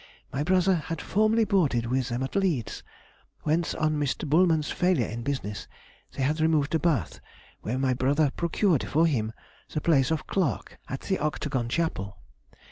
My brother had formerly boarded with them at Leeds, whence, on Mr. Bulman's failure in business, they had removed to Bath, where my brother procured for him the place of Clerk at the Octagon Chapel....